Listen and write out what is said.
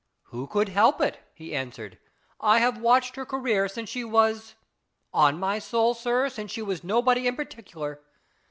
" Who could help it ?" he answered. " I have watched her career since she was on my soul, sir, since she was nobody in particular.